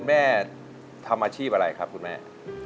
แม่ทำอาชีพอะไรครับคุณแม่